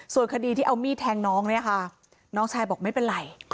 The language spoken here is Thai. ส่วนคดีที่เอามีดแทงน้องเนี่ยค่ะน้องชายบอกไม่เป็นไร